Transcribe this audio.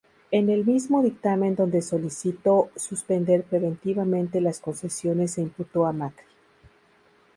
En el mismo dictamen donde solicitó suspender preventivamente las concesiones e imputó a Macri.